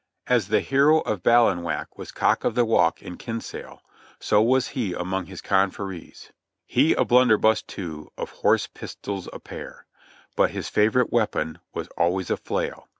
As the hero of Ballena whack was "cock of the walk" of Kinsale, so was he among his confreres. "He'd a blunderbuss too, of horse pistols a pair, But his favorite weapon was always a flail.